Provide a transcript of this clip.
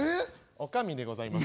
「女将でございます」。